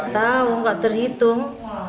tahu nggak terhitung